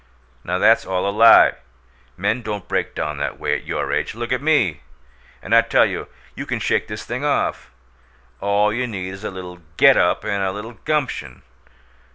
Now, that's all a lie. Men don't break down that way at your age. Look at ME! And I tell you, you can shake this thing off. All you need is a little GET up and a little gumption.